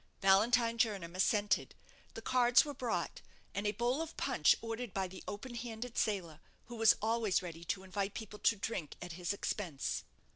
Valentine Jernam assented. The cards were brought, and a bowl of punch ordered by the open handed sailor, who was always ready to invite people to drink at his expense.